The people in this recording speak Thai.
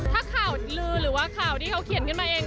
ถ้าข่าวลือหรือว่าข่าวที่เขาเขียนขึ้นมาเอง